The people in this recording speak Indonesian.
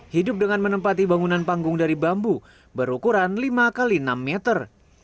hidup dengan menempati bangunan panggung dari bambu berukuran lima x enam meter